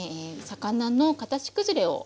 魚の形崩れを。